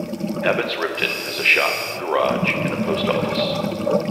Abbots Ripton has a shop, garage, and a post office.